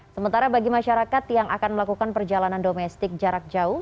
sementara bagi masyarakat yang akan melakukan perjalanan domestik jarak jauh